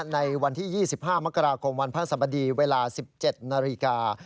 ในวันที่๒๕มกราคมวันพระสบดีเวลา๑๗นาฬิกา